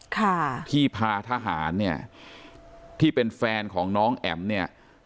ค่ะที่พาทหารเนี่ยที่เป็นแฟนของน้องแอ๋มเนี่ย